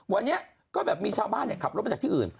วันนี้ก็แบบมีชาวบ้านขับรถมาจากที่อื่น